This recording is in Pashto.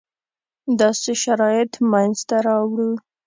داسې شرایط منځته راوړو.